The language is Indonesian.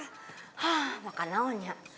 hah makan awalnya